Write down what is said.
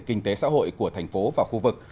kinh tế xã hội của thành phố và khu vực